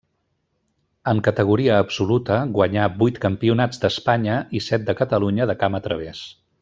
En categoria absoluta guanyà vuit campionats d'Espanya i set de Catalunya de camp a través.